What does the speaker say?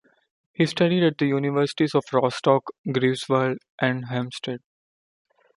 He studied at the universities of Rostock, Greifswald and Helmstedt.